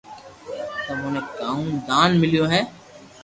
تمو ني ڪاو دان مليو ھي